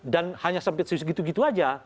dan hanya sampai segitu gitu aja